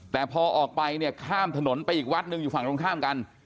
แต่พอออกไปเนี่ยข้ามถนนไปอีกวัดหนึ่งอยู่ฝั่งตรงข้ามกัน